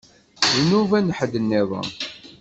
D nnuba n ḥedd-nniḍen.